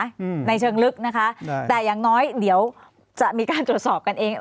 อืมในเชิงลึกนะคะแต่อย่างน้อยเดี๋ยวจะมีการตรวจสอบกันเอง